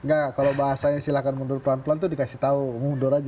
enggak kalau bahasanya silahkan mundur pelan pelan itu dikasih tahu mundur aja